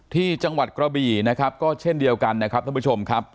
ที่จังหวัดกระบี่นะครับก็เช่นเดียวกันนะครับท่านผู้ชมครับ